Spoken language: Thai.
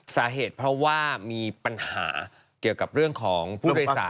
สาเหตุเพราะว่ามีปัญหาเกี่ยวกับเรื่องของผู้โดยสาร